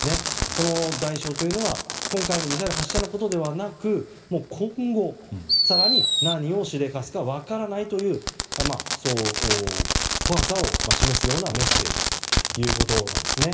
この代償というのは、今回のミサイル発射のことではなく今後、更に何をしでかすか分からないというその怖さを示すようなメッセージだということです。